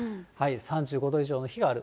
３５度以上の日がある。